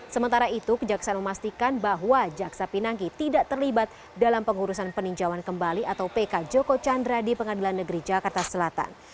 sementara itu kejaksaan memastikan bahwa jaksa pinangki tidak terlibat dalam pengurusan peninjauan kembali atau pk joko chandra di pengadilan negeri jakarta selatan